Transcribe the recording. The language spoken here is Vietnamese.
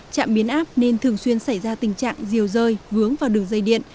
trạm biến áp nên thường xuyên xảy ra tình trạng diều rơi vướng vào đường dây điện